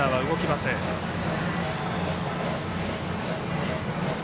ランナーは動きません。